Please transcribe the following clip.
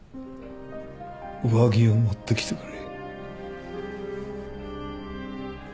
上着を持ってきてくれ。